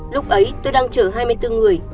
lúc ấy tôi đang chở hai mươi bốn người